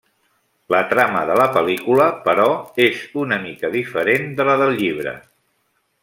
La trama de la pel·lícula, però, és una mica diferent de la del llibre.